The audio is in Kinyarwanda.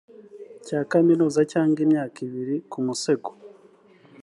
cya kaminuza cyangwa imyaka ibiri ku musego